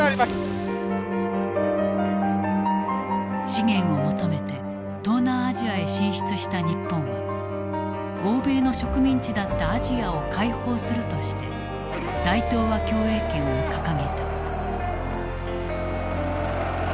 資源を求めて東南アジアへ進出した日本は欧米の植民地だったアジアを解放するとして大東亜共栄圏を掲げた。